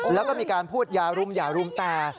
แล้วก็มีการพูดอย่ารุมอย่ารุมแต่